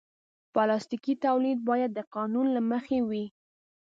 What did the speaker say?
پلاستيکي تولید باید د قانون له مخې وي.